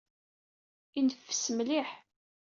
Ineffes mliḥ.